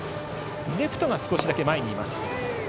レフトが少しだけ前にいます。